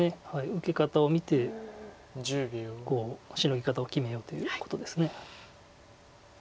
受け方を見てシノギ方を決めようということです。